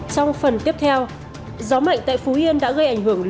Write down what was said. trong phần tiếp theo gió mạnh tại phú yên đã gây ảnh hưởng